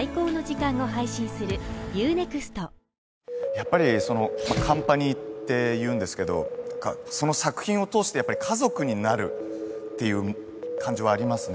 やっぱりそのカンパニーっていうんですけどその作品を通してやっぱり家族になるっていう感じはありますね